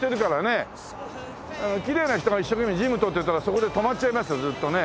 きれいな人が一生懸命事務執ってたらそこで止まっちゃいますよずっとね。